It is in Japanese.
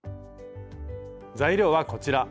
材料はこちら。